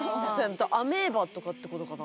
アメーバとかってことかな。